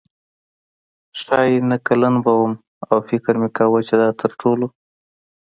ښايي نهه کلنه به وم او فکر مې کاوه چې دا تر ټولو.